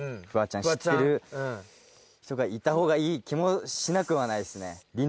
うん知ってる人がいたほうがいい気もしなくはないですね